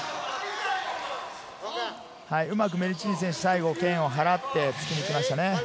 うまくメルチーヌ選手、最後、剣を払って突きにきましたね。